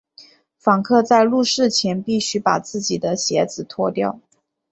访客在入寺前必须把自己的鞋子脱掉。